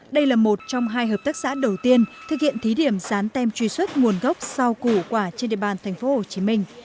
đây là một trong hai hợp tác xã đầu tiên thực hiện thí điểm dán tem truy xuất nguồn gốc rau củ quả trên địa bàn thành phố hồ chí minh